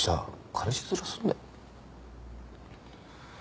彼氏ヅラすんなよ。